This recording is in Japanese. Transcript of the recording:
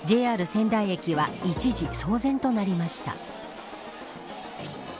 仙台駅は一時騒然となりました。